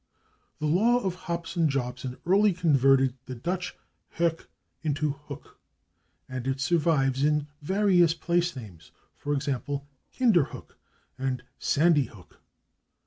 The law of Hobson Jobson early converted the Dutch /hoek/ into /hook/, and it survives in various place names, /e. g./, /Kinderhook/ and /Sandy Hook